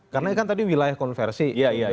karena ini kan tadi wilayah konversi